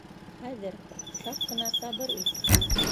Хәҙер, саҡ ҡына сабыр ит